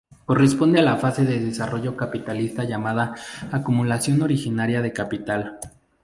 Corresponde a la fase de desarrollo capitalista llamada Acumulación originaria de capital.